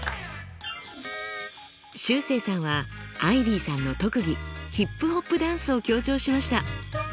しゅうせいさんはアイビーさんの特技ヒップホップダンスを強調しました。